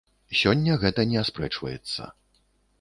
Сёння гэта не аспрэчваецца.